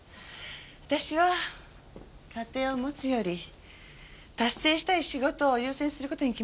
私は家庭を持つより達成したい仕事を優先する事に決めたんです。